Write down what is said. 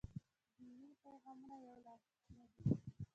دیني پیغامونه یولاس نه دي.